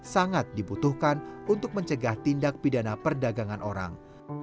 sangat dibutuhkan untuk mencegah tindak pidana perdagangan orang